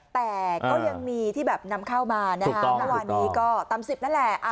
แต่ก็ยังมีที่นำเข้ามาถ้าวันนี้ก็ตำ๑๐นั่นแหละ